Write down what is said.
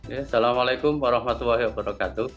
assalamualaikum warahmatullahi wabarakatuh